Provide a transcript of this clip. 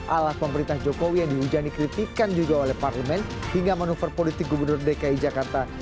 alah pemerintah jokowi yang dihujani kritikan juga oleh parlemen hingga manuver politik gubernur dki jakarta